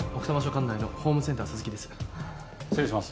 管内のホームセンタースズキです。